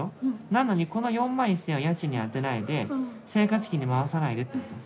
なのにこの４万１，０００円は家賃に充てないで生活費に回さないでってこと。